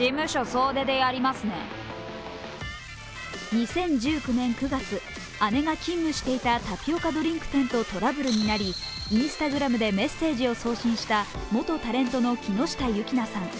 ２０１９年９月、姉が勤務していたタピオカドリンク店とトラブルになり、Ｉｎｓｔａｇｒａｍでメッセージを送信した元タレントの木下優樹菜さん。